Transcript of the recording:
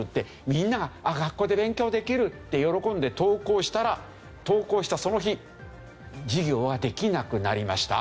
みんなが学校で勉強できる！って喜んで登校したら登校したその日授業はできなくなりました。